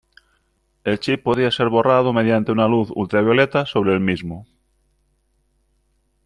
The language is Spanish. El chip podía ser borrado mediante una luz ultravioleta sobre el mismo.